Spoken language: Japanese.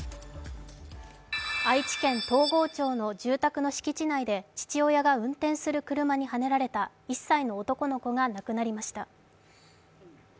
愛知県東郷町で、父親が運転する車にはねられた１歳の男の子が亡くなりました。